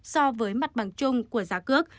so với mặt bằng chung của giá cước